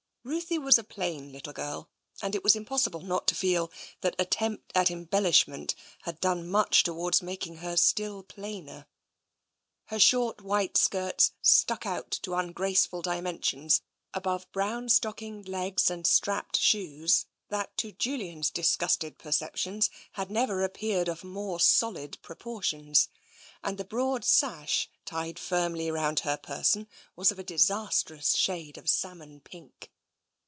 Ruthie was a plain little girl, and it was impossible not to feel that attempt at embellishment had done much towards making her still plainer. Her short white skirts stuck out to ungraceful di mensions above brown stockinged legs and strapped shoes that, to Julian's disgusted perceptions, had never appeared of more solid proportions, and the broad sash tied firmly round her person was of a disastrous shade of salmon pink.